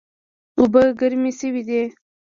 اوبه ګرمې شوې دي